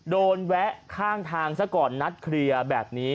แวะข้างทางซะก่อนนัดเคลียร์แบบนี้